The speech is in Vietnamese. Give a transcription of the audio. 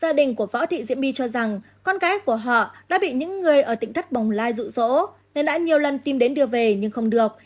gia đình của vá thị diễm bi cho rằng con gái của họ đã bị những người ở tịnh thất bổng lai rụ rỗ nên đã nhiều lần tìm đến đưa về nhưng không được